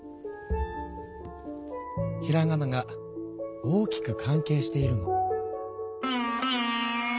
ひらがなが大きく関係しているの。